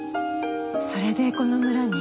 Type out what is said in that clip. それでこの村に？